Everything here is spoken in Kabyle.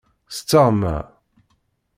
S teɣma.